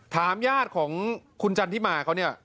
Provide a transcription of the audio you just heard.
ญาติของคุณจันทิมาเขาเนี่ย